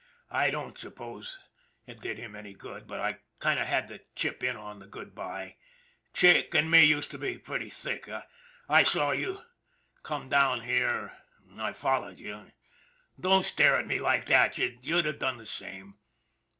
" I don't suppose it did him any good, but I kind of had to chip in on the good by Chick and me used to be pretty thick. I saw you come down here GUARDIAN OF THE DEVIL'S SLIDE 177 and I followed you. Don't stare at me like that, you'd have done the same.